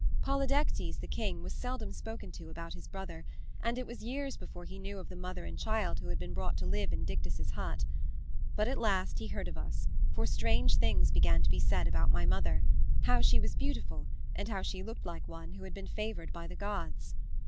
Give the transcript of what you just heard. "Polydectes, the king, was seldom spoken to about his brother, and it was years before he knew of the mother and child who had been brought to live in Dictys's hut. But at last he heard of us, for strange things began to be said about my mother how she was beautiful, and how she looked like one who had been favored by the gods.